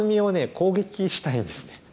攻撃したいんですね。